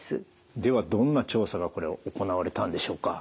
ではどんな調査がこれ行われたんでしょうか？